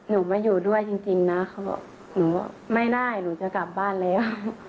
หนูไม่อยู่ด้วยจริงนะเขาบอกหนูว่าไม่ได้หนูจะกลับบ้านแล้ว